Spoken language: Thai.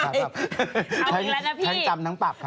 เอาจริงแล้วนะพี่ทั้งจำทั้งปรับครับ